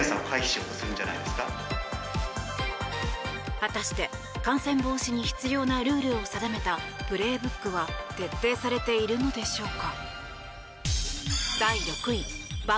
果たして感染防止に必要なルールを定めた「プレーブック」は徹底されているのでしょうか。